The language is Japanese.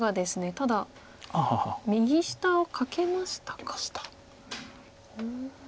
ただ右下をカケましたか。